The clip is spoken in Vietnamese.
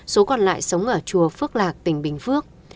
số còn lại sống ở chùa phước lạc tỉnh bình phước